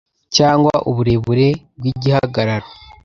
cyangwa uburebure bw’igihagararo